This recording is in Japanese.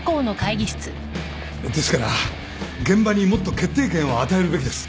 ですから現場にもっと決定権を与えるべきです。